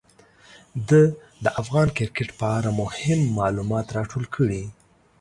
ده د افغان کرکټ په اړه مهم معلومات راټول کړي.